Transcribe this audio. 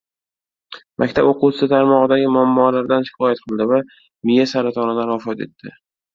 Maktab o‘quvchisi tomog‘idagi muammolardan shikoyat qildi va miya saratonidan vafot etdi